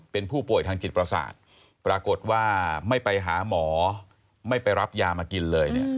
เป็นผู้ป่วยทางจิตประสาทปรากฏว่าไม่ไปหาหมอไม่ไปรับยามากินเลย